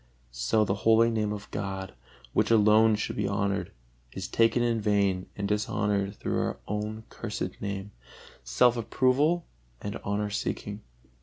So the holy Name of God, which alone should be honored, is taken in vain and dishonored through our own cursed name, self approval and honor seeking.